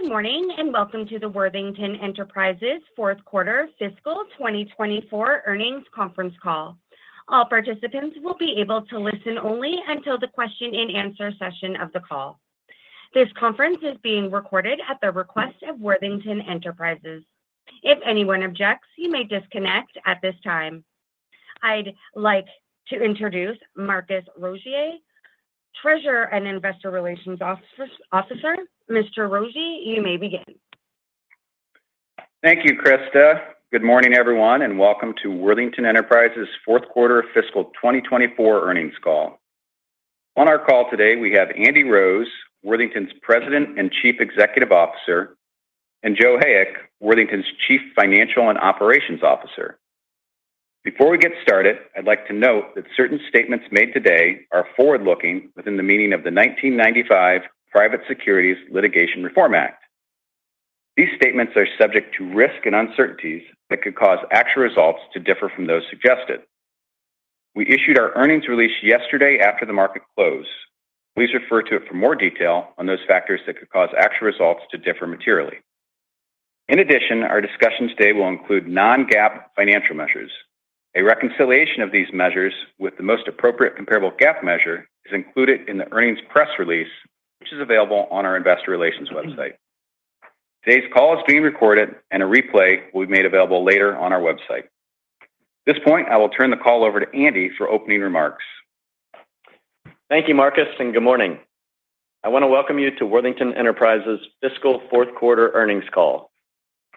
Good morning, and welcome to the Worthington Enterprises Fourth Quarter fiscal 2024 earnings conference call. All participants will be able to listen only until the question and answer session of the call. This conference is being recorded at the request of Worthington Enterprises. If anyone objects, you may disconnect at this time. I'd like to introduce Marcus Rogier, Treasurer and Investor Relations Officer. Mr. Rogier, you may begin. Thank you, Krista. Good morning, everyone, and welcome to Worthington Enterprises Fourth Quarter fiscal 2024 earnings call. On our call today, we have Andy Rose, Worthington's President and Chief Executive Officer, and Joe Hayek, Worthington's Chief Financial and Operations Officer. Before we get started, I'd like to note that certain statements made today are forward-looking within the meaning of the 1995 Private Securities Litigation Reform Act. These statements are subject to risk and uncertainties that could cause actual results to differ from those suggested. We issued our earnings release yesterday after the market closed. Please refer to it for more detail on those factors that could cause actual results to differ materially. In addition, our discussion today will include non-GAAP financial measures. A reconciliation of these measures with the most appropriate comparable GAAP measure is included in the earnings press release, which is available on our investor relations website. Today's call is being recorded, and a replay will be made available later on our website. At this point, I will turn the call over to Andy for opening remarks. Thank you, Marcus, and good morning. I want to welcome you to Worthington Enterprises fiscal fourth quarter earnings call.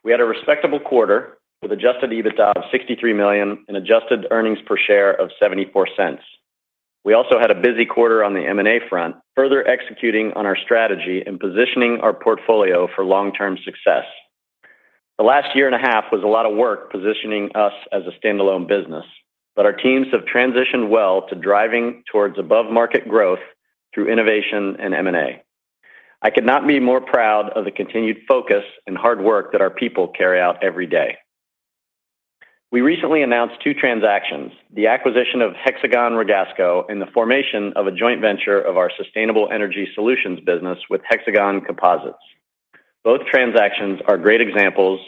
We had a respectable quarter with Adjusted EBITDA of $63 million and Adjusted earnings per share of $0.74. We also had a busy quarter on the M&A front, further executing on our strategy and positioning our portfolio for long-term success. The last year and a half was a lot of work positioning us as a standalone business, but our teams have transitioned well to driving towards above-market growth through innovation and M&A. I could not be more proud of the continued focus and hard work that our people carry out every day. We recently announced two transactions: the acquisition of Hexagon Ragasco and the formation of a joint venture of our sustainable energy solutions business with Hexagon Composites. Both transactions are great examples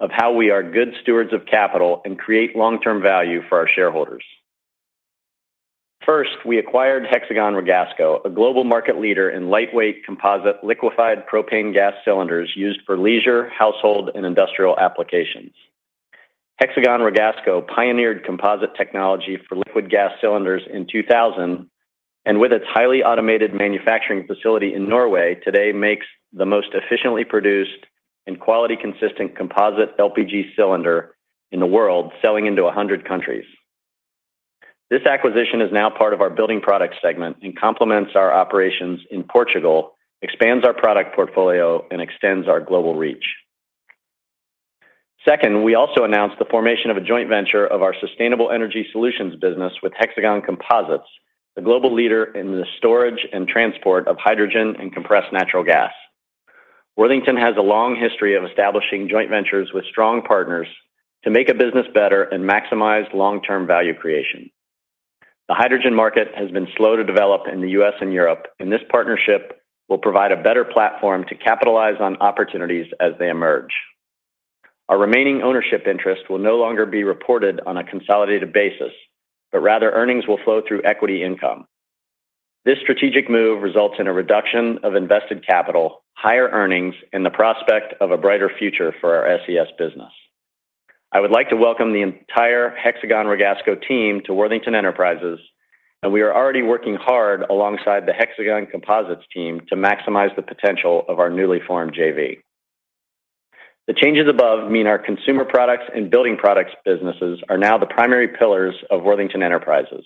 of how we are good stewards of capital and create long-term value for our shareholders. First, we acquired Hexagon Ragasco, a global market leader in lightweight composite liquefied propane gas cylinders used for leisure, household, and industrial applications. Hexagon Ragasco pioneered composite technology for liquid gas cylinders in 2000, and with its highly automated manufacturing facility in Norway, today makes the most efficiently produced and quality-consistent composite LPG cylinder in the world, selling into 100 countries. This acquisition is now part of our building product segment and complements our operations in Portugal, expands our product portfolio, and extends our global reach. Second, we also announced the formation of a joint venture of our sustainable energy solutions business with Hexagon Composites, a global leader in the storage and transport of hydrogen and compressed natural gas. Worthington has a long history of establishing joint ventures with strong partners to make a business better and maximize long-term value creation. The hydrogen market has been slow to develop in the U.S. and Europe, and this partnership will provide a better platform to capitalize on opportunities as they emerge. Our remaining ownership interest will no longer be reported on a consolidated basis, but rather earnings will flow through equity income. This strategic move results in a reduction of invested capital, higher earnings, and the prospect of a brighter future for our SES business. I would like to welcome the entire Hexagon Ragasco team to Worthington Enterprises, and we are already working hard alongside the Hexagon Composites team to maximize the potential of our newly formed JV. The changes above mean our consumer products and building products businesses are now the primary pillars of Worthington Enterprises.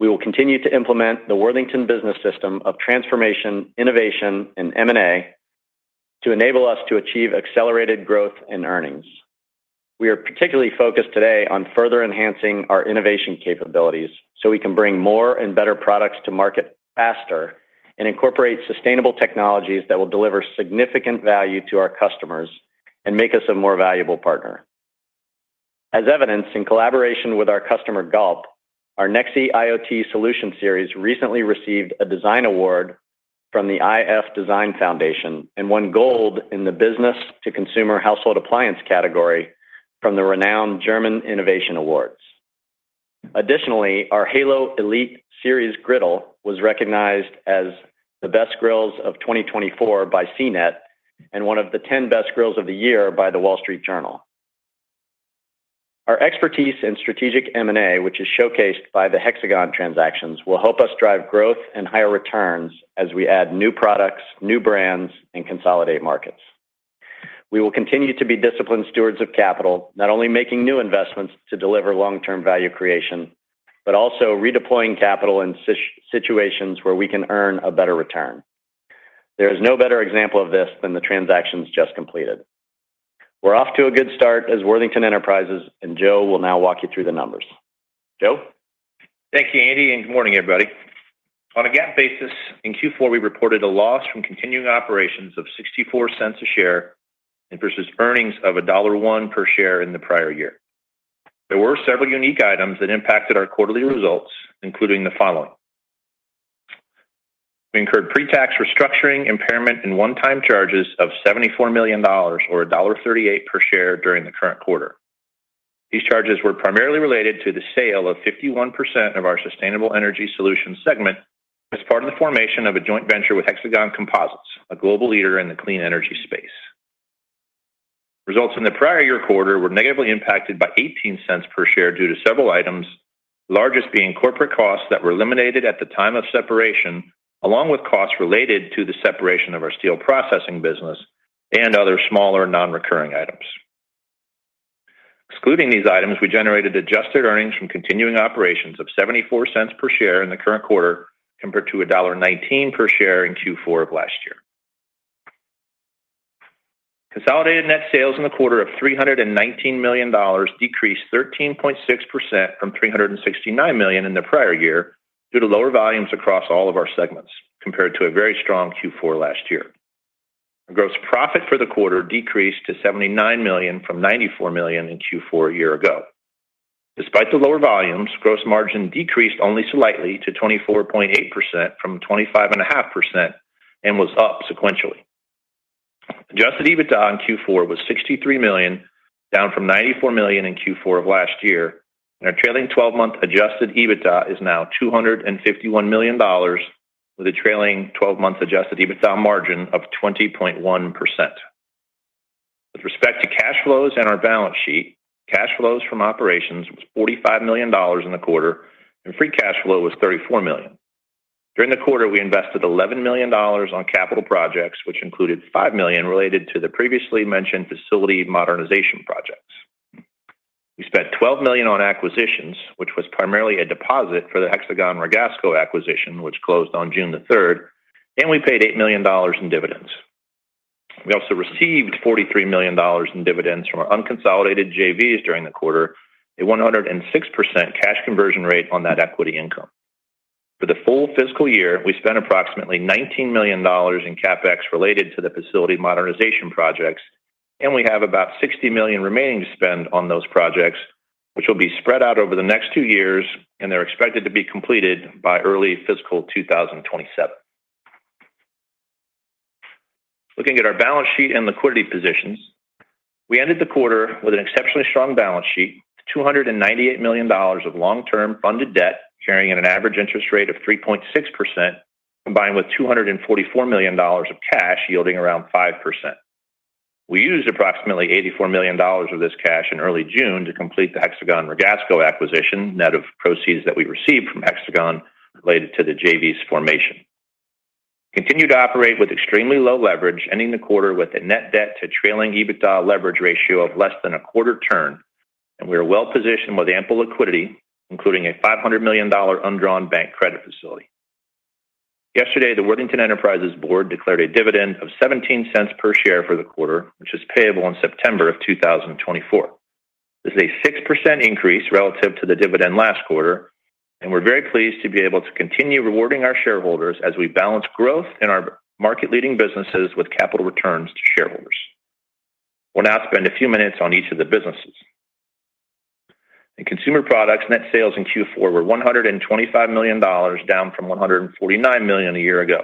We will continue to implement the Worthington business system of transformation, innovation, and M&A to enable us to achieve accelerated growth and earnings. We are particularly focused today on further enhancing our innovation capabilities so we can bring more and better products to market faster and incorporate sustainable technologies that will deliver significant value to our customers and make us a more valuable partner. As evidenced in collaboration with our customer, Galp, our Nexi IoT Solution Series recently received a design award from the iF Design Foundation and won gold in the business-to-consumer household appliance category from the renowned German Innovation Awards. Additionally, our HALO Elite Series Griddle was recognized as the best grills of 2024 by CNET and one of the 10 best grills of the year by The Wall Street Journal. Our expertise in strategic M&A, which is showcased by the Hexagon transactions, will help us drive growth and higher returns as we add new products, new brands, and consolidate markets. We will continue to be disciplined stewards of capital, not only making new investments to deliver long-term value creation, but also redeploying capital in situations where we can earn a better return. There is no better example of this than the transactions just completed. We're off to a good start as Worthington Enterprises, and Joe will now walk you through the numbers. Joe? Thank you, Andy, and good morning, everybody. On a GAAP basis, in Q4, we reported a loss from continuing operations of $0.64 per share and versus earnings of $1.01 per share in the prior year. There were several unique items that impacted our quarterly results, including the following: We incurred pre-tax restructuring, impairment, and one-time charges of $74 million or $1.38 per share during the current quarter. These charges were primarily related to the sale of 51% of our Sustainable Energy Solutions segment as part of the formation of a joint venture with Hexagon Composites, a global leader in the clean energy space. Results in the prior year quarter were negatively impacted by $0.18 per share due to several items, largest being corporate costs that were eliminated at the time of separation, along with costs related to the separation of our steel processing business and other smaller non-recurring items. Excluding these items, we generated adjusted earnings from continuing operations of $0.74 per share in the current quarter, compared to $1.19 per share in Q4 of last year. Consolidated net sales in the quarter of $319 million decreased 13.6% from $369 million in the prior year, due to lower volumes across all of our segments, compared to a very strong Q4 last year. Gross profit for the quarter decreased to $79 million from $94 million in Q4 a year ago. Despite the lower volumes, gross margin decreased only slightly to 24.8% from 25.5% and was up sequentially. Adjusted EBITDA in Q4 was $63 million, down from $94 million in Q4 of last year, and our trailing twelve-month adjusted EBITDA is now $251 million, with a trailing twelve-month adjusted EBITDA margin of 20.1%. With respect to cash flows and our balance sheet, cash flows from operations was $45 million in the quarter, and free cash flow was $34 million. During the quarter, we invested $11 million on capital projects, which included $5 million related to the previously mentioned facility modernization projects. We spent $12 million on acquisitions, which was primarily a deposit for the Hexagon Ragasco acquisition, which closed on June 3, and we paid $8 million in dividends. We also received $43 million in dividends from our unconsolidated JVs during the quarter, a 106% cash conversion rate on that equity income. For the full fiscal year, we spent approximately $19 million in CapEx related to the facility modernization projects, and we have about $60 million remaining to spend on those projects, which will be spread out over the next two years, and they're expected to be completed by early fiscal 2027. Looking at our balance sheet and liquidity positions, we ended the quarter with an exceptionally strong balance sheet, $298 million of long-term funded debt, carrying an average interest rate of 3.6%, combined with $244 million of cash, yielding around 5%. We used approximately $84 million of this cash in early June to complete the Hexagon Ragasco acquisition, net of proceeds that we received from Hexagon related to the JV's formation. Continue to operate with extremely low leverage, ending the quarter with a net debt to trailing EBITDA leverage ratio of less than a quarter turn, and we are well-positioned with ample liquidity, including a $500 million undrawn bank credit facility. Yesterday, the Worthington Enterprises Board declared a dividend of $0.17 per share for the quarter, which is payable in September 2024. This is a 6% increase relative to the dividend last quarter, and we're very pleased to be able to continue rewarding our shareholders as we balance growth in our market-leading businesses with capital returns to shareholders. We'll now spend a few minutes on each of the businesses. In consumer products, net sales in Q4 were $125 million, down from $149 million a year ago.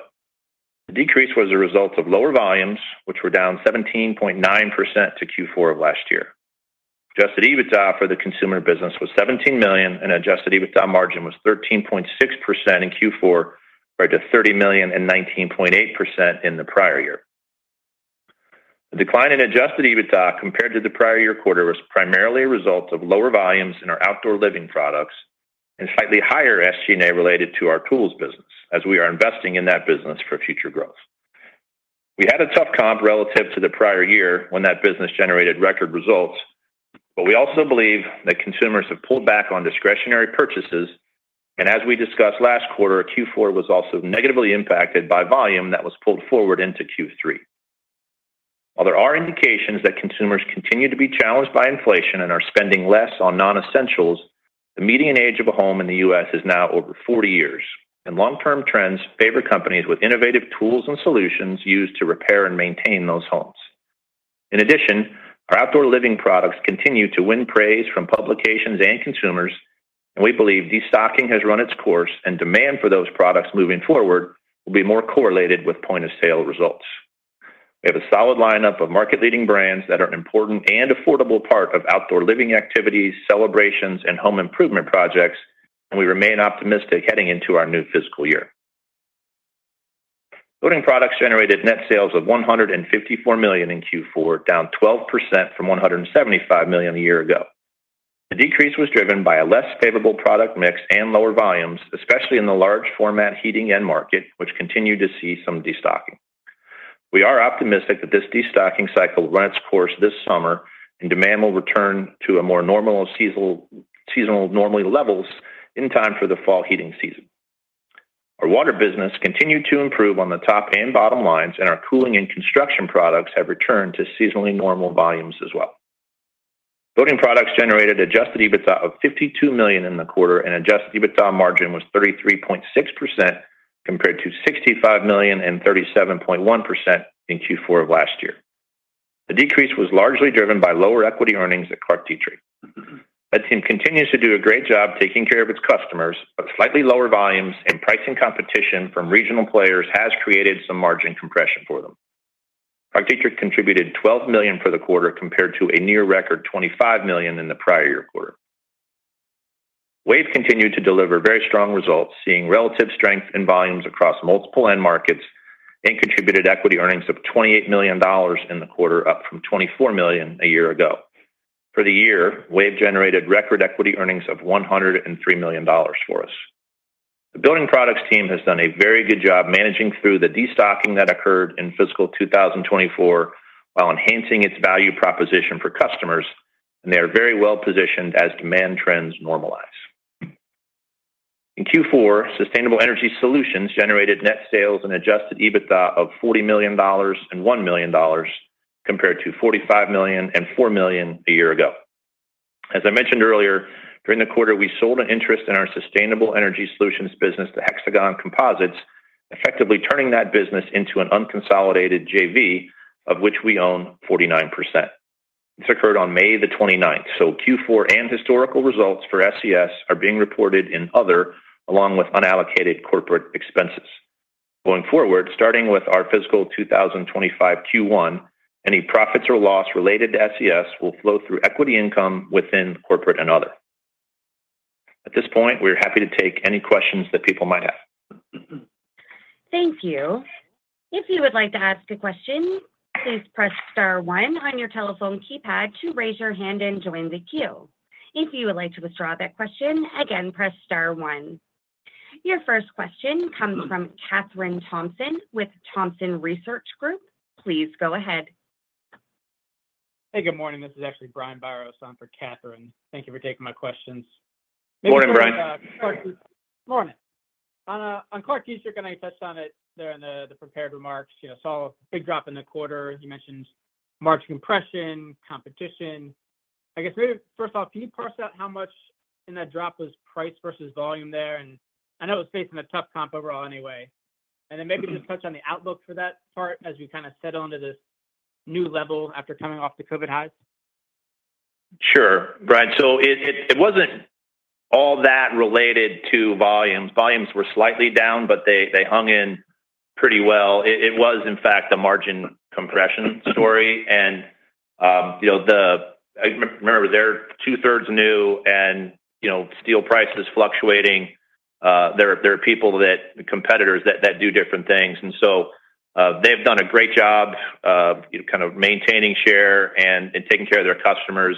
The decrease was a result of lower volumes, which were down 17.9% to Q4 of last year. Adjusted EBITDA for the consumer business was $17 million, and adjusted EBITDA margin was 13.6% in Q4, compared to $30 million and 19.8% in the prior year. The decline in adjusted EBITDA compared to the prior year quarter was primarily a result of lower volumes in our outdoor living products and slightly higher SG&A related to our tools business, as we are investing in that business for future growth. We had a tough comp relative to the prior year when that business generated record results, but we also believe that consumers have pulled back on discretionary purchases, and as we discussed last quarter, Q4 was also negatively impacted by volume that was pulled forward into Q3. While there are indications that consumers continue to be challenged by inflation and are spending less on non-essentials, the median age of a home in the U.S. is now over 40 years, and long-term trends favor companies with innovative tools and solutions used to repair and maintain those homes. In addition, our outdoor living products continue to win praise from publications and consumers, and we believe destocking has run its course, and demand for those products moving forward will be more correlated with point-of-sale results. We have a solid lineup of market-leading brands that are an important and affordable part of outdoor living activities, celebrations, and home improvement projects, and we remain optimistic heading into our new fiscal year. Loading products generated net sales of $154 million in Q4, down 12% from $175 million a year ago. The decrease was driven by a less favorable product mix and lower volumes, especially in the large format heating end market, which continued to see some destocking. We are optimistic that this destocking cycle will run its course this summer, and demand will return to a more normal seasonal normal levels in time for the fall heating season. Our water business continued to improve on the top and bottom lines, and our cooling and construction products have returned to seasonally normal volumes as well. Consumer products generated Adjusted EBITDA of $52 million in the quarter, and Adjusted EBITDA margin was 33.6%, compared to $65 million and 37.1% in Q4 of last year. The decrease was largely driven by lower equity earnings at ClarkDietrich. That team continues to do a great job taking care of its customers, but slightly lower volumes and pricing competition from regional players has created some margin compression for them. ClarkDietrich contributed $12 million for the quarter, compared to a near record $25 million in the prior year quarter. WAVE continued to deliver very strong results, seeing relative strength in volumes across multiple end markets and contributed equity earnings of $28 million in the quarter, up from $24 million a year ago. For the year, WAVE generated record equity earnings of $103 million for us. The building products team has done a very good job managing through the destocking that occurred in fiscal 2024, while enhancing its value proposition for customers, and they are very well positioned as demand trends normalize. In Q4, Sustainable Energy Solutions generated net sales and adjusted EBITDA of $40 million and $1 million, compared to $45 million and $4 million a year ago. As I mentioned earlier, during the quarter, we sold an interest in our Sustainable Energy Solutions business to Hexagon Composites, effectively turning that business into an unconsolidated JV, of which we own 49%. This occurred on May the 29th, so Q4 and historical results for SES are being reported in other, along with unallocated corporate expenses. Going forward, starting with our fiscal 2025 Q1, any profits or loss related to SES will flow through equity income within corporate and other. At this point, we're happy to take any questions that people might have. Thank you. If you would like to ask a question, please press star one on your telephone keypad to raise your hand and join the queue. If you would like to withdraw that question, again, press star one. Your first question comes from Kathryn Thompson with Thompson Research Group. Please go ahead. Hey, good morning. This is actually Brian Biros on for Kathryn. Thank you for taking my questions. Morning, Brian. Morning. On ClarkDietrich, I know you touched on it there in the prepared remarks. You saw a big drop in the quarter. You mentioned margin compression, competition. I guess, first off, can you parse out how much in that drop was price versus volume there? And I know it was facing a tough comp overall anyway. And then maybe just touch on the outlook for that part as we kind of settle onto this new level after coming off the COVID highs. Sure, Brian. So it wasn't all that related to volumes. Volumes were slightly down, but they hung in pretty well. It was, in fact, a margin compression story. And, you know, the, remember, they're two-thirds new and, you know, steel prices fluctuating. There are people that, competitors that do different things, and so, they've done a great job of kind of maintaining share and taking care of their customers.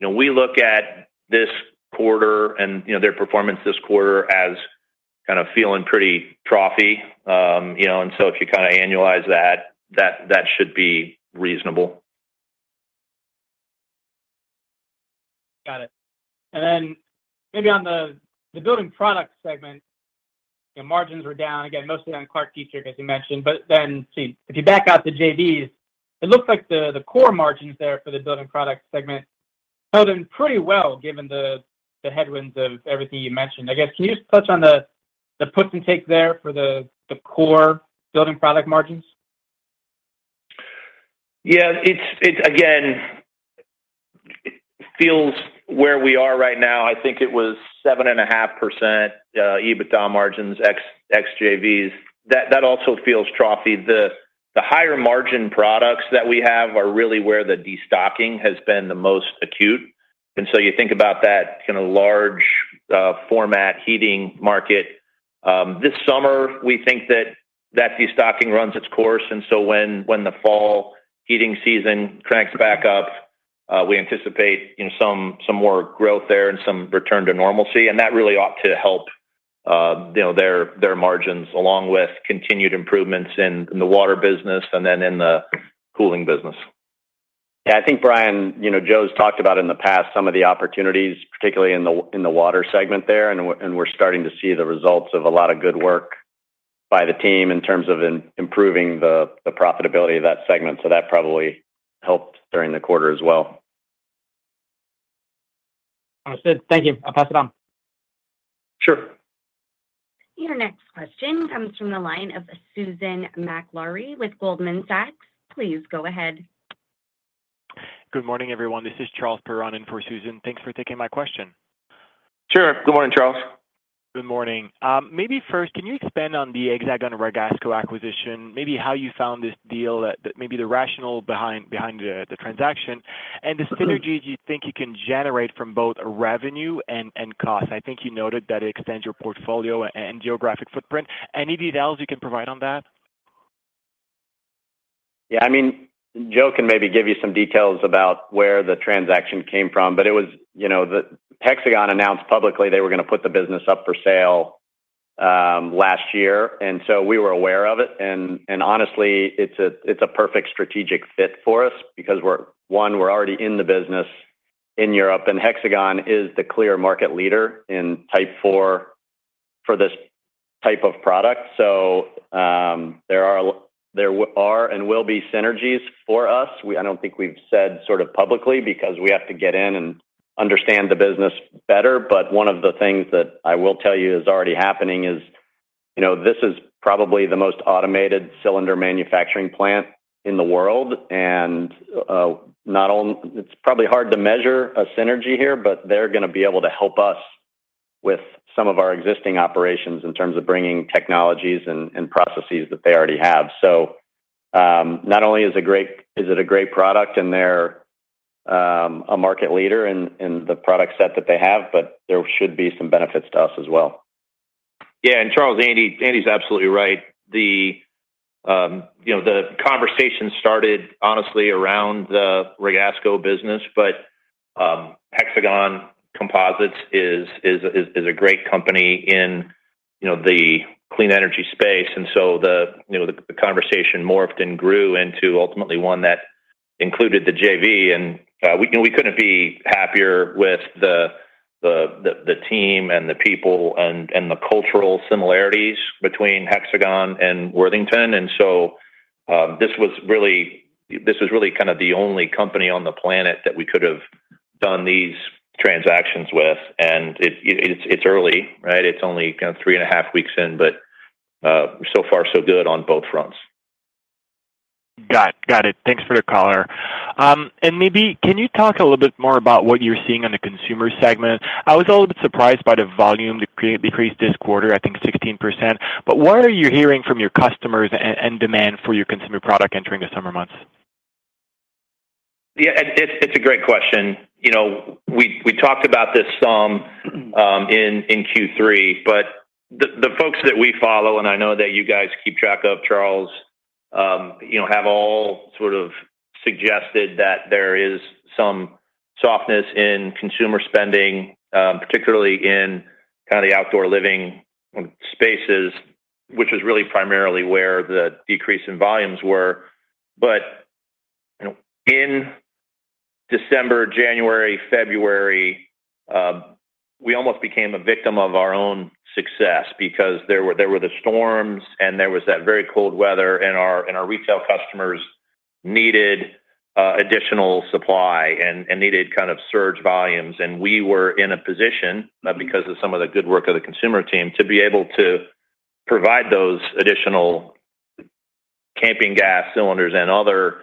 You know, we look at this quarter and, you know, their performance this quarter as kind of feeling pretty trophy. You know, and so if you annualize that, that should be reasonable. Got it. And then maybe on the building product segment, your margins were down, again, mostly on ClarkDietrich, as you mentioned. But then if you back out the JVs, it looks like the core margins there for the building product segment held in pretty well, given the headwinds of everything you mentioned. I guess, can you just touch on the puts and takes there for the core building product margins? Yeah, it's again, it feels where we are right now. I think it was 7.5% EBITDA margins, ex-JVs. That also feels right. The higher margin products that we have are really where the destocking has been the most acute. And so you think about that in a large format heating market. This summer, we think that that destocking runs its course, and so when the fall heating season cranks back up, we anticipate some more growth there and some return to normalcy. And that really ought to help, you know, their margins, along with continued improvements in the water business and then in the cooling business. I think, Brian, you know, Joe's talked about in the past some of the opportunities, particularly in the water segment there, and we're starting to see the results of a lot of good work by the team in terms of improving the profitability of that segment. So that probably helped during the quarter as well. Understood. Thank you. I'll pass it on. Sure. Your next question comes from the line of Susan Maklari with Goldman Sachs. Please go ahead. Good morning, everyone. This is Charles Perron in for Susan. Thanks for taking my question. Sure. Good morning, Charles. Good morning. Maybe first, can you expand on the Hexagon Ragasco acquisition, maybe how you found this deal, that maybe the rationale behind the transaction, and the synergies you think you can generate from both revenue and cost? I think you noted that it extends your portfolio and geographic footprint. Any details you can provide on that? Yeah, I mean, Joe can maybe give you some details about where the transaction came from, but it was- you know, the Hexagon announced publicly they were going to put the business up for sale last year, and so we were aware of it. And honestly, it's a perfect strategic fit for us because we're- one, we're already in the business in Europe, and Hexagon is the clear market leader in type IV for this type of product. So, there are, There are and will be synergies for us. We I don't think we've said sort of publicly, because we have to get in and understand the business better. But one of the things that I will tell you is already happening is, you know, this is probably the most automated cylinder manufacturing plant in the world, and not only it's probably hard to measure a synergy here, but they're gonna be able to help us with some of our existing operations in terms of bringing technologies and processes that they already have. So, not only is it great, it is a great product and they're a market leader in the product set that they have, but there should be some benefits to us as well. Yeah, and Charles, Andy, Andy's absolutely right. The, you know, the conversation started honestly around the Ragasco business, but Hexagon Composites is a great company in, you know, the clean energy space. And so the, you know, the conversation morphed and grew into ultimately one that included the JV, and we couldn't be happier with the team and the people and the cultural similarities between Hexagon and Worthington. And so this was really, this was really kind of the only company on the planet that we could have done these transactions with. And it, it's early, right? It's only kind of 3.5 weeks in, but so far, so good on both fronts. Got it. Thanks for the color. And maybe can you talk a little bit more about what you're seeing on the consumer segment? I was a little bit surprised by the volume that decreased this quarter, I think 16%. But what are you hearing from your customers and demand for your consumer product entering the summer months? Yeah, it's a great question. You know, we talked about this some in Q3, but the folks that we follow, and I know that you guys keep track of, Charles, you know, have all sort of suggested that there is some softness in consumer spending, particularly in kind of the outdoor living spaces, which is really primarily where the decrease in volumes were. But you know, in December, January, February, we almost became a victim of our own success because there were the storms, and there was that very cold weather, and our retail customers needed additional supply and needed kind of surge volumes. We were in a position, because of some of the good work of the consumer team, to be able to provide those additional camping gas cylinders and other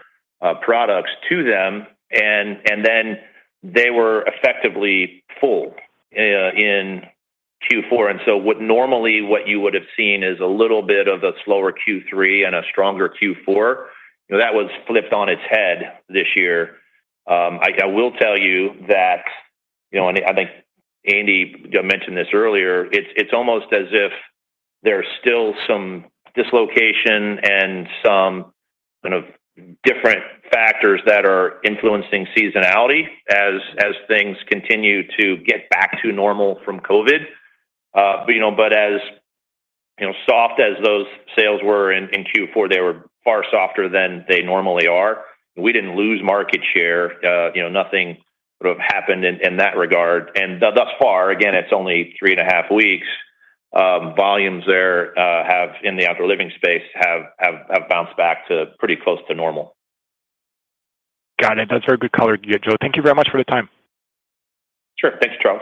products to them, and then they were effectively full in Q4. And so what normally, what you would have seen is a little bit of a slower Q3 and a stronger Q4, that was flipped on its head this year. I will tell you that, you know, and I think Andy mentioned this earlier, it's almost as if there's still some dislocation and some kind of different factors that are influencing seasonality as things continue to get back to normal from COVID. But, you know, but as, you know, soft as those sales were in Q4, they were far softer than they normally are. We didn't lose market share, you know, nothing sort of happened in that regard. And thus far, again, it's only 3.5 weeks, volumes there have, in the outdoor living space, bounced back to pretty close to normal. Got it. That's very good color you gave, Joe. Thank you very much for the time. Sure. Thanks, Charles.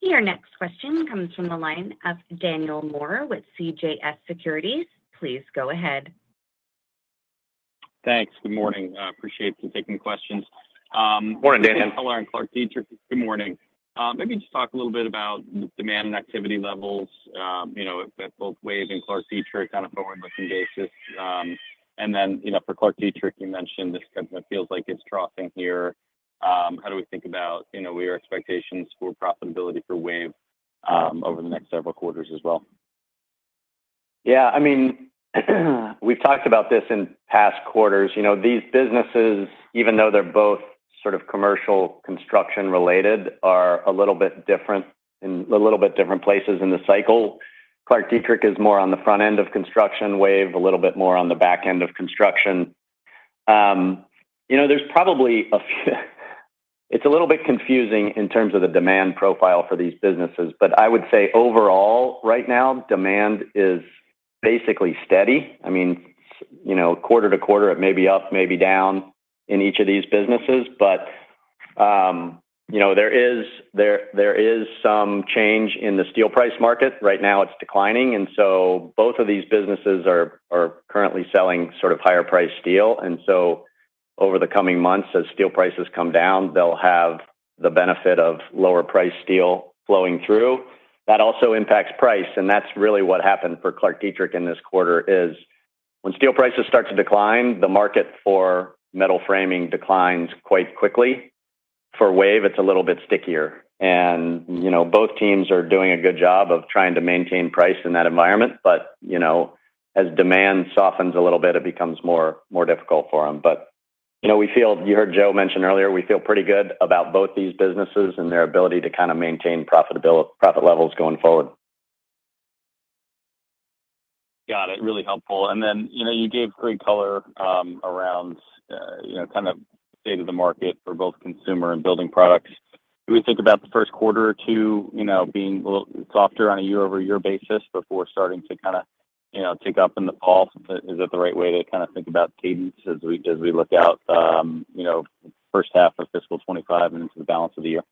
Your next question comes from the line of Daniel Moore with CJS Securities. Please go ahead. Thanks. Good morning. I appreciate you taking the questions. Good morning, Daniel. Hello, I'm ClarkDietrich. Good morning. Maybe just talk a little bit about the demand and activity levels, you know, at both WAVE and ClarkDietrich, kind of going with the basis. And then, you know, for ClarkDietrich, you mentioned this kind of feels like it's troughing here. How do we think about, you know, we are expectations for profitability for WAVE, over the next several quarters as well? Yeah, I mean, we've talked about this in past quarters. You know, these businesses, even though they're both sort of commercial construction-related, are a little bit different in a little bit different places in the cycle. ClarkDietrich is more on the front end of construction, WAVE, a little bit more on the back end of construction. You know, there's probably a few, it's a little bit confusing in terms of the demand profile for these businesses, but I would say overall, right now, demand is basically steady. I mean, you know, quarter to quarter, it may be up, maybe down in each of these businesses. But, you know, there is some change in the steel price market. Right now, it's declining, and so both of these businesses are currently selling sort of higher price steel. So over the coming months, as steel prices come down, they'll have the benefit of lower price steel flowing through. That also impacts price, and that's really what happened for Clark Dietrich in this quarter, is when steel prices start to decline, the market for metal framing declines quite quickly. For Wave, it's a little bit stickier, and, you know, both teams are doing a good job of trying to maintain price in that environment. But, you know, as demand softens a little bit, it becomes more difficult for them. But, you know, we feel you heard Joe mention earlier, we feel pretty good about both these businesses and their ability to kind of maintain profitability, profit levels going forward. Got it. Really helpful. And then, you know, you gave great color around, you know, kind of state of the market for both consumer and building products. Do we think about the first quarter or two, you know, being a little softer on a year-over-year basis before starting to kind of, you know, take up in the pulse? Is that the right way to kind of think about cadence as we look out, you know, first half of fiscal 2025 and into the balance of the year?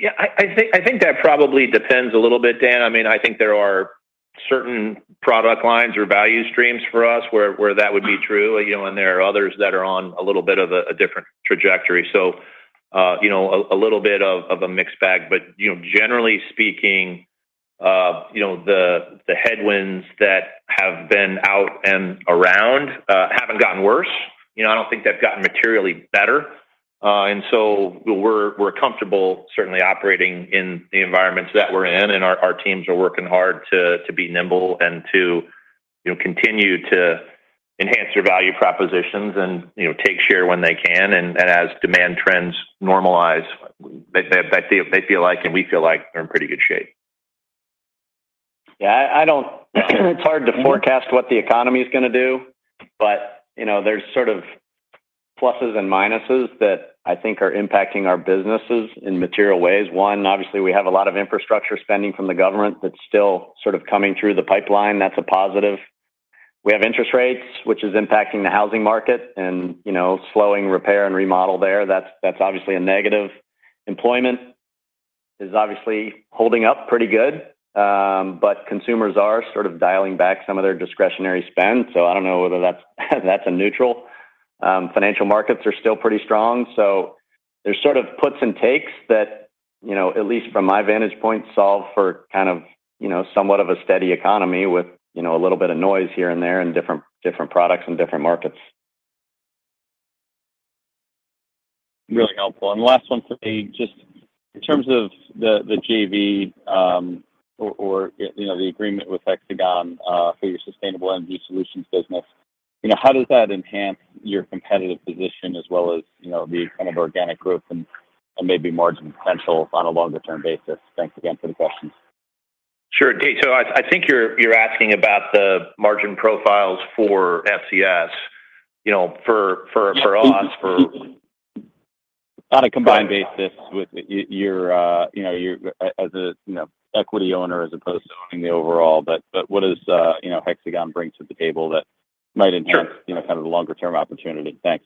Yeah, I think that probably depends a little bit, Dan. I mean, I think there are certain product lines or value streams for us where that would be true, you know, and there are others that are on a little bit of a different trajectory. So, you know, a little bit of a mixed bag. But, you know, generally speaking, you know, the headwinds that have been out and around haven't gotten worse. You know, I don't think they've gotten materially better. And so we're comfortable certainly operating in the environments that we're in, and our teams are working hard to be nimble and to, you know, continue to enhance their value propositions and, you know, take share when they can. As demand trends normalize, they feel like and we feel like they're in pretty good shape. Yeah, I don't. It's hard to forecast what the economy is gonna do, but, you know, there's sort of pluses and minuses that I think are impacting our businesses in material ways. One, obviously, we have a lot of infrastructure spending from the government that's still sort of coming through the pipeline. That's a positive. We have interest rates, which is impacting the housing market and, you know, slowing repair and remodel there. That's obviously a negative. Employment is obviously holding up pretty good, but consumers are sort of dialing back some of their discretionary spend, so I don't know whether that's a neutral. Financial markets are still pretty strong, so there's sort of puts and takes that, you know, at least from my vantage point, solve for kind of, you know, somewhat of a steady economy with, you know, a little bit of noise here and there in different products and different markets. Really helpful. The last one for me, just in terms of the JV, you know, the agreement with Hexagon, for your sustainable energy solutions business, you know, how does that enhance your competitive position as well as, you know, the kind of organic growth and maybe margin potential on a longer term basis? Thanks again for the questions. Sure. So I think you're asking about the margin profiles for SCS, you know, for us, for- On a combined basis with your, you know, your as a, you know, equity owner as opposed to owning the overall. But what does, you know, Hexagon bring to the table that might enhance, Sure you know, kind of the longer term opportunity? Thanks.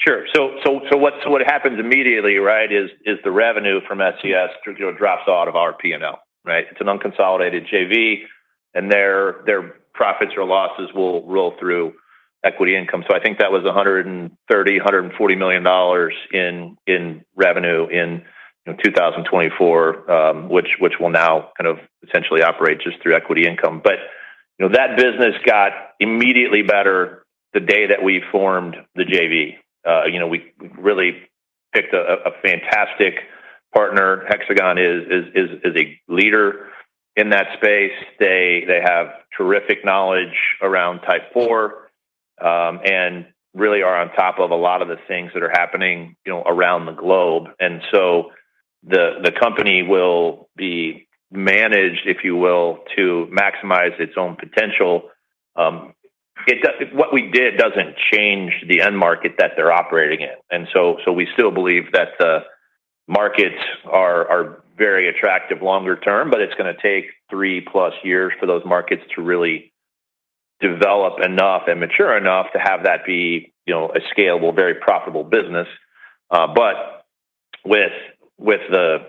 Sure. So what happens immediately, right, is the revenue from SCS, you know, drops out of our P&L, right? It's an unconsolidated JV, and their profits or losses will roll through equity income. So I think that was $130-$140 million in revenue in, you know, 2024, which will now kind of essentially operate just through equity income. But, you know, that business got immediately better the day that we formed the JV. You know, we really picked a fantastic partner. Hexagon is a leader in that space. They have terrific knowledge around Type IV, and really are on top of a lot of the things that are happening, you know, around the globe. And so the company will be managed, if you will, to maximize its own potential. What we did doesn't change the end market that they're operating in. And so we still believe that the markets are very attractive longer term, but it's gonna take 3+ years for those markets to really develop enough and mature enough to have that be, you know, a scalable, very profitable business. But with the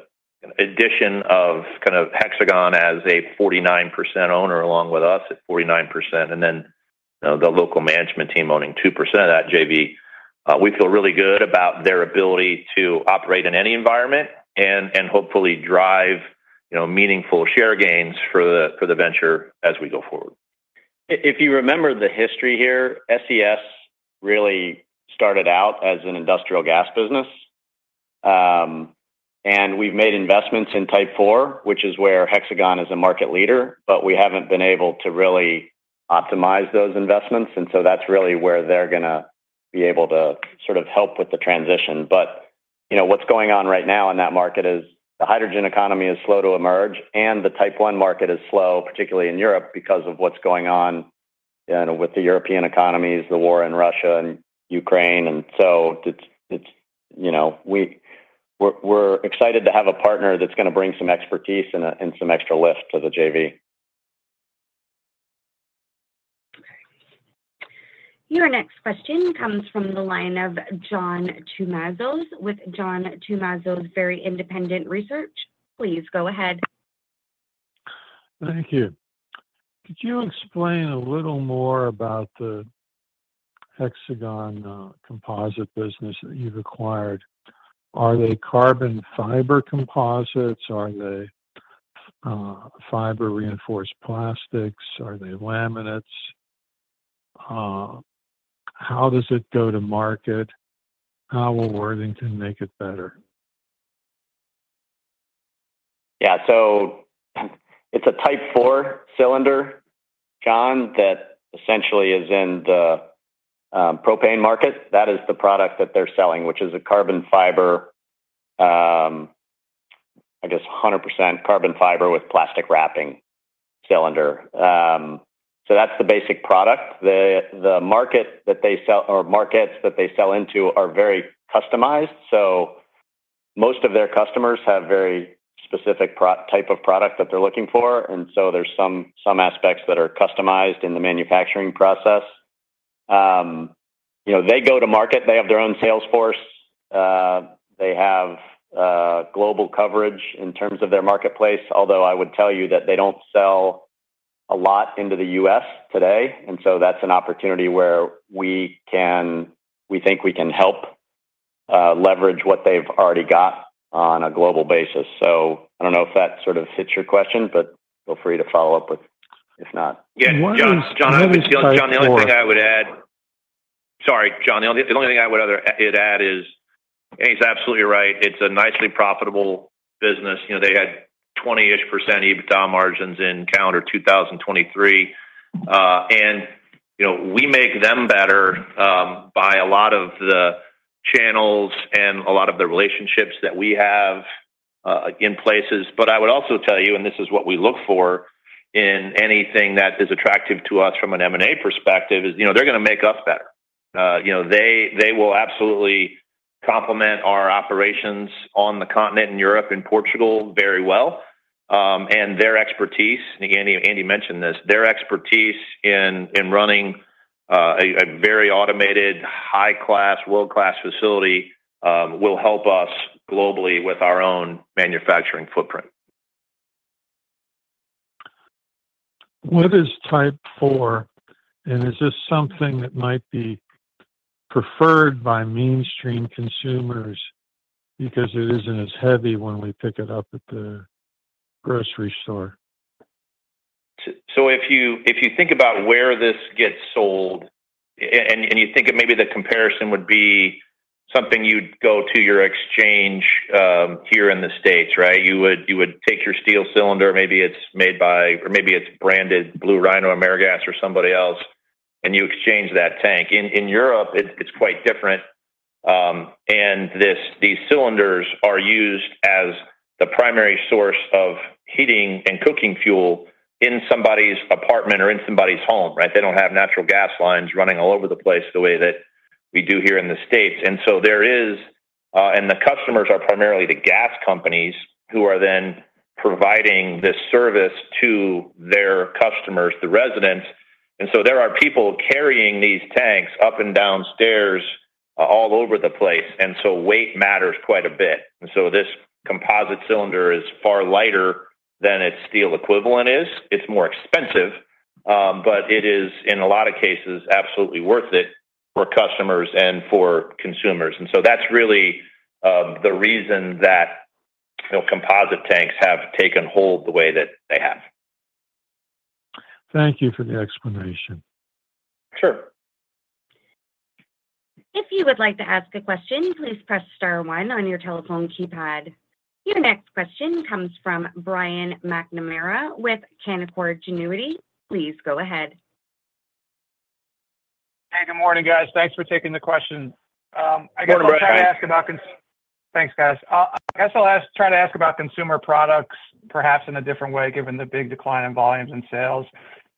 addition of kind of Hexagon as a 49% owner, along with us at 49%, and then the local management team owning 2% of that JV, we feel really good about their ability to operate in any environment and hopefully drive, you know, meaningful share gains for the venture as we go forward. If you remember the history here, SES really started out as an industrial gas business. And we've made investments in Type IV, which is where Hexagon is a market leader, but we haven't been able to really optimize those investments, and so that's really where they're gonna be able to sort of help with the transition. But, you know, what's going on right now in that market is the hydrogen economy is slow to emerge, and the Type I market is slow, particularly in Europe, because of what's going on, you know, with the European economies, the war in Russia and Ukraine. And so it's, you know, we're excited to have a partner that's gonna bring some expertise and some extra lift to the JV. Okay. Your next question comes from the line of John Tumazos with Very Independent Research. Please go ahead. Thank you. Could you explain a little more about the Hexagon composite business that you've acquired? Are they carbon fiber composites? Are they fiber-reinforced plastics? Are they laminates? How does it go to market? How will Worthington make it better? Yeah. So it's a Type IV cylinder, John, that essentially is in the propane market. That is the product that they're selling, which is a carbon fiber, I guess, 100% carbon fiber with plastic wrapping cylinder. So that's the basic product. The market that they sell or markets that they sell into are very customized, so most of their customers have very specific type of product that they're looking for, and so there's some aspects that are customized in the manufacturing process. You know, they go to market, they have their own sales force, they have global coverage in terms of their marketplace. Although, I would tell you that they don't sell a lot into the U.S. today, and so that's an opportunity where we think we can help, leverage what they've already got on a global basis. So I don't know if that sort of hits your question, but feel free to follow up, if not. Yeah, John, John, the only thing I would add. Sorry, John. The only thing I would add is, Andy's absolutely right. It's a nicely profitable business. You know, they had 20-ish% EBITDA margins in calendar 2023. And, you know, we make them better by a lot of the channels and a lot of the relationships that we have in places. But I would also tell you, and this is what we look for in anything that is attractive to us from an M&A perspective, is, you know, they're gonna make us better. You know, they will absolutely complement our operations on the continent in Europe and Portugal very well. Their expertise, Andy. Andy mentioned this, their expertise in running a very automated, high-class, world-class facility will help us globally with our own manufacturing footprint. What is Type IV? And is this something that might be preferred by mainstream consumers because it isn't as heavy when we pick it up at the grocery store? So if you think about where this gets sold and you think of maybe the comparison would be something you'd go to your exchange here in the States, right? You would take your steel cylinder, maybe it's made by or maybe it's branded Blue Rhino, AmeriGas or somebody else, and you exchange that tank. In Europe, it's quite different. And these cylinders are used as the primary source of heating and cooking fuel in somebody's apartment or in somebody's home, right? They don't have natural gas lines running all over the place the way that we do here in the States. And so there is, and the customers are primarily the gas companies, who are then providing this service to their customers, the residents. And so there are people carrying these tanks up and down stairs all over the place, and so weight matters quite a bit. And so this composite cylinder is far lighter than its steel equivalent is. It's more expensive, but it is, in a lot of cases, absolutely worth it for customers and for consumers. And so that's really the reason that, you know, composite tanks have taken hold the way that they have. Thank you for the explanation. Sure. If you would like to ask a question, please press star one on your telephone keypad. Your next question comes from Brian McNamara with Canaccord Genuity. Please go ahead. Hey, good morning, guys. Thanks for taking the question. I guess I'll try to ask about consumer products, perhaps in a different way, given the big decline in volumes and sales.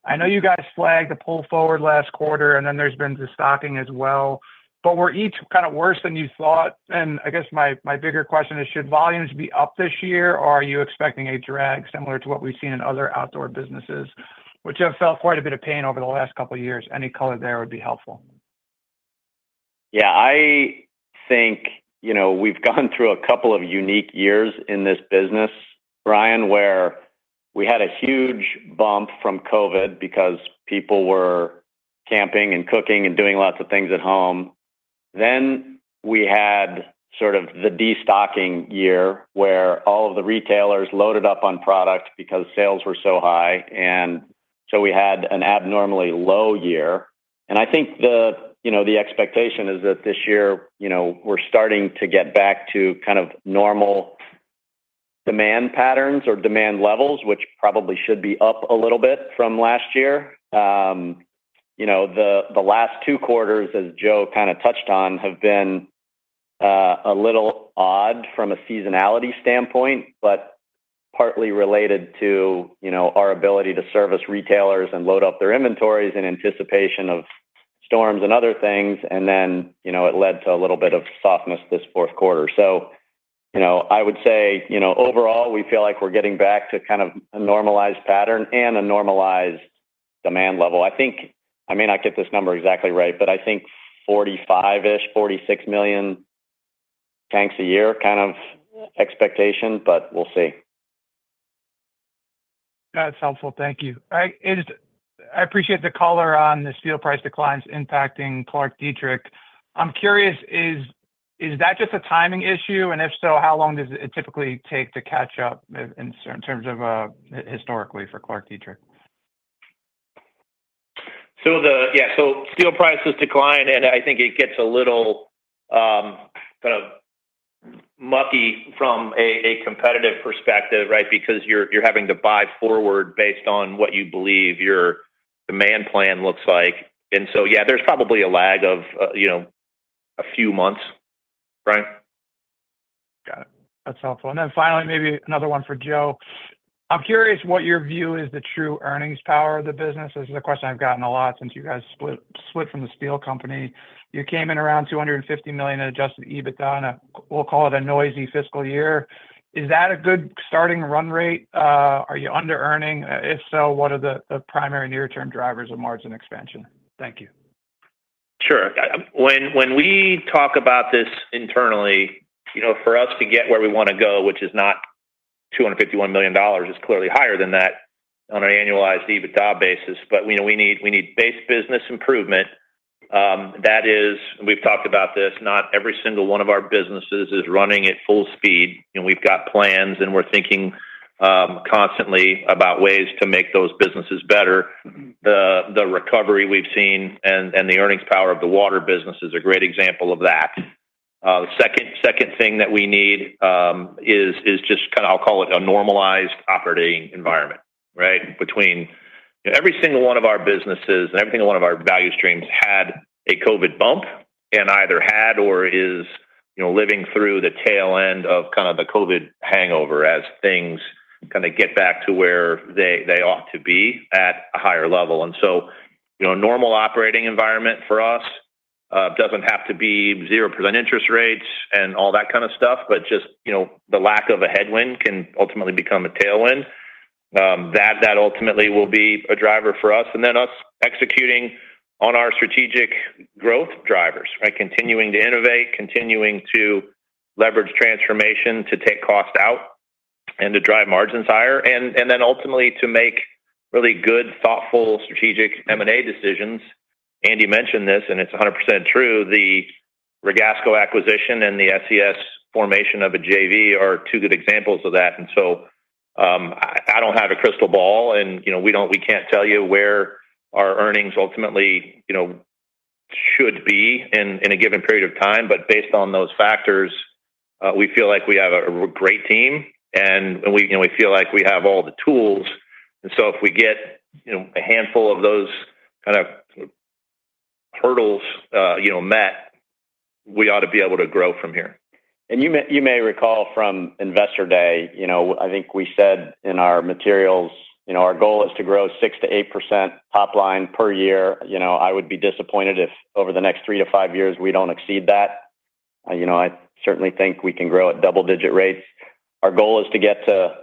I know you guys flagged a pull forward last quarter, and then there's been de-stocking as well, but it was worse than you thought. And I guess my, my bigger question is, should volumes be up this year, or are you expecting a drag similar to what we've seen in other outdoor businesses, which have felt quite a bit of pain over the last couple of years? Any color there would be helpful. Yeah, I think, you know, we've gone through a couple of unique years in this business, Brian, where we had a huge bump from COVID because people were camping and cooking and doing lots of things at home. Then we had sort of the de-stocking year, where all of the retailers loaded up on product because sales were so high, and so we had an abnormally low year. And I think the, you know, the expectation is that this year, you know, we're starting to get back to kind of normal demand patterns or demand levels, which probably should be up a little bit from last year. You know, the last two quarters, as Joe kind of touched on, have been a little odd from a seasonality standpoint, but partly related to, you know, our ability to service retailers and load up their inventories in anticipation of storms and other things. And then, you know, it led to a little bit of softness this fourth quarter. So, you know, I would say, you know, overall, we feel like we're getting back to kind of a normalized pattern and a normalized demand level. I think, I may not get this number exactly right, but I think 45-ish, 46 million tanks a year kind of expectation, but we'll see. That's helpful. Thank you. I appreciate the color on the steel price declines impacting ClarkDietrich. I'm curious, is that just a timing issue? And if so, how long does it typically take to catch up in terms of historically for ClarkDietrich? Yeah, so steel prices decline, and I think it gets a little, kind of mucky from a competitive perspective, right? Because you're having to buy forward based on what you believe your demand plan looks like. And so, yeah, there's probably a lag of, you know, a few months, right? Got it. That's helpful. And then finally, maybe another one for Joe. I'm curious what your view is, the true earnings power of the business. This is a question I've gotten a lot since you guys split, split from the Steel company. You came in around $250 million in Adjusted EBITDA on a, we'll call it a noisy fiscal year. Is that a good starting run rate? Are you under earning? If so, what are the primary near-term drivers of margin expansion? Thank you. Sure. When, when we talk about this internally, you know, for us to get where we wanna go, which is not $251 million, it's clearly higher than that on an annualized EBITDA basis. But, you know, we need, we need base business improvement. That is, we've talked about this, not every single one of our businesses is running at full speed, and we've got plans, and we're thinking constantly about ways to make those businesses better. The, the recovery we've seen and, and the earnings power of the water business is a great example of that. The second, second thing that we need is, is just kinda, I'll call it a normalized operating environment, right? Every single one of our businesses and every single one of our value streams had a COVID bump and either had or is, you know, living through the tail end of kinda the COVID hangover as things kinda get back to where they ought to be at a higher level. And so, you know, normal operating environment for us doesn't have to be 0% interest rates and all that kind of stuff, but just, you know, the lack of a headwind can ultimately become a tailwind. That ultimately will be a driver for us, and then us executing on our strategic growth drivers, right? Continuing to innovate, continuing to leverage transformation, to take costs out and to drive margins higher, and then ultimately to make really good, thoughtful, strategic M&A decisions. Andy mentioned this, and it's 100% true. The Ragasco acquisition and the SES formation of a JV are two good examples of that. And so, I, I don't have a crystal ball, and, you know, we don't, we can't tell you where our earnings ultimately, you know, should be in, in a given period of time. But based on those factors, we feel like we have a, a great team, and, and we, you know, we feel like we have all the tools. And so if we get, you know, a handful of those kind of hurdles, you know, met, we ought to be able to grow from here. You may, you may recall from Investor Day, you know, I think we said in our materials, you know, our goal is to grow 6%-8% top line per year. You know, I would be disappointed if over the next 3-5 years, we don't exceed that. You know, I certainly think we can grow at double-digit rates. Our goal is to get to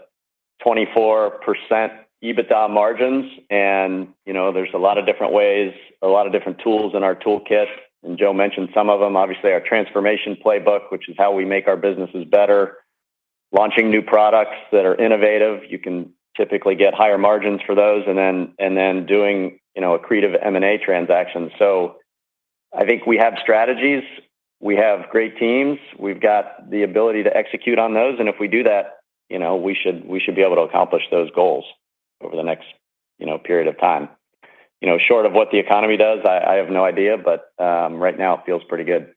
24% EBITDA margins, and, you know, there's a lot of different ways, a lot of different tools in our toolkit, and Joe mentioned some of them. Obviously, our transformation playbook, which is how we make our businesses better. Launching new products that are innovative, you can typically get higher margins for those, and then, and then doing, you know, accretive M&A transactions. So I think we have strategies, we have great teams, we've got the ability to execute on those, and if we do that, you know, we should be able to accomplish those goals over the next, you know, period of time. You know, short of what the economy does, I have no idea, but right now it feels pretty good.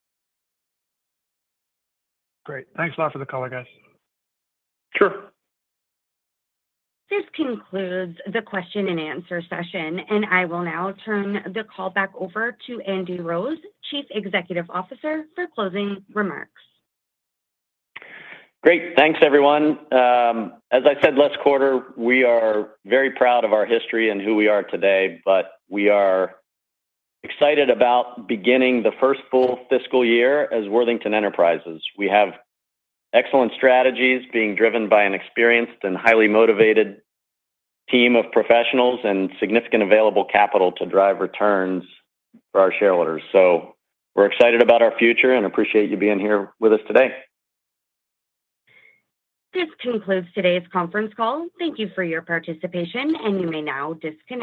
Great. Thanks a lot for the call, guys. Sure. This concludes the question and answer session, and I will now turn the call back over to Andy Rose, Chief Executive Officer, for closing remarks. Great. Thanks, everyone. As I said last quarter, we are very proud of our history and who we are today, but we are excited about beginning the first full fiscal year as Worthington Enterprises. We have excellent strategies being driven by an experienced and highly motivated team of professionals and significant available capital to drive returns for our shareholders. We're excited about our future and appreciate you being here with us today. This concludes today's conference call. Thank you for your participation, and you may now disconnect.